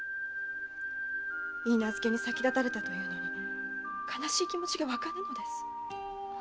許婚に先立たれたというのに悲しい気持ちが湧かぬのです。